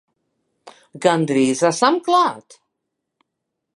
Gandrīz esam klāt!